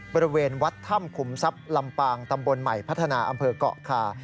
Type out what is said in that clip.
บริเวณวัดถ้ำขุมทรัพย์ลำปางตำบลใหม่พัฒนาอำเภอกเกาะคา